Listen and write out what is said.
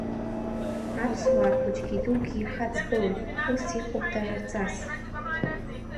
Аԥсуаа хәыҷгьы дугьы еихаҵгылоит, ус иҟоуп дара рҵас.